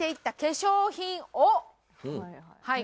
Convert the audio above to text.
はい。